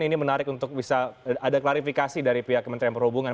ini menarik untuk bisa ada klarifikasi dari pihak kementerian perhubungan